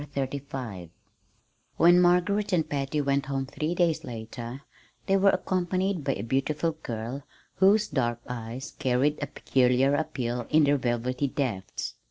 CHAPTER XXXV When Margaret and Patty went home three days later they were accompanied by a beautiful girl, whose dark eyes carried a peculiar appeal in their velvety depths.